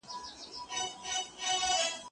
درسونه واوره؟